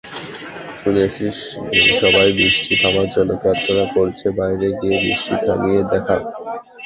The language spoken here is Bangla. শুনেছিস, সবাই বৃষ্টি থামার জন্য প্রার্থনা করছে, বাইরে গিয়ে বৃষ্টি থামিয়ে দেখা।